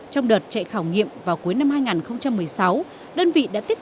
trong đợt chạy khảo nghiệm vào cuối năm hai nghìn một mươi sáu